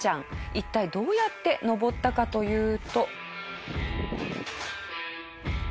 一体どうやって登ったかというと。